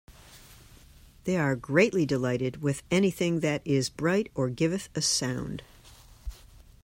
They are greatly delighted with anything that is bright or giveth a sound.